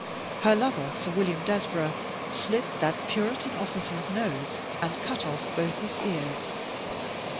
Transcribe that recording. Her lover, Sir William Desborough, slit that Puritan officer's nose and cut off both his ears.